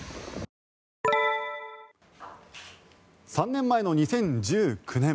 ３年前の２０１９年。